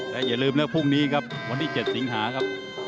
และอย่าลืมนะพรุ่งนี้ครับวันที่๗สิงหาครับ